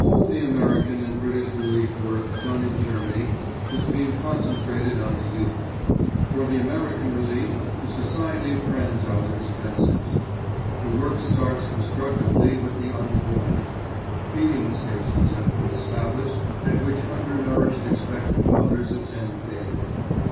All the American and British relief work done in Germany is being concentrated on the youth. For the American Relief the Society of Friends are the dispensers. The work starts constructively with the unborn. Feeding stations have been established at which under nourished expectant mothers attend daily.